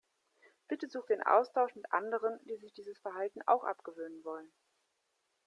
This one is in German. Bitte such den Austausch mit anderen, die sich dieses Verhalten auch abgewöhnen wollen.